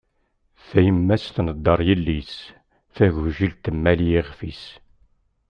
Yemma-s tneddaṛ yelli-s, tagujilt temmal i yixef-is.